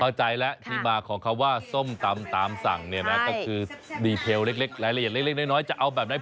เข้าใจแล้วที่มาของคำว่าส้มตำตามสั่งเนี่ยนะก็คือดีเทลเล็กรายละเอียดเล็กน้อยจะเอาแบบไหน